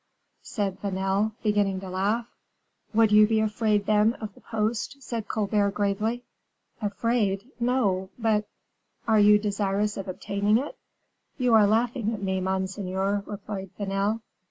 said Vanel, beginning to laugh. "Would you be afraid, then, of the post?" said Colbert, gravely. "Afraid! no; but " "Are you desirous of obtaining it?" "You are laughing at me, monseigneur," replied Vanel.